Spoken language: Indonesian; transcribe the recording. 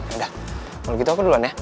enggak kalau gitu aku duluan ya